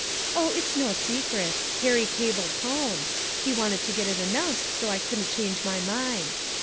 Oh, it's no secret; Harry cabled home he wanted to get it announced so I couldn't change my mind.